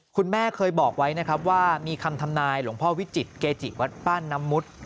คุณแม่เคยบอกไว้นะครับว่ามีคำทำนายหลวงพ่อวิจิตเกจิวัดบ้านน้ำมุด